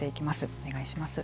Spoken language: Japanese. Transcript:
お願いします。